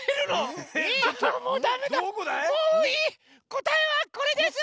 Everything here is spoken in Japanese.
こたえはこれです！